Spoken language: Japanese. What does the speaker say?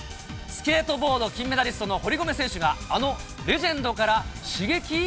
スケートボード金メダリストの堀米選手があのレジェンドから刺激？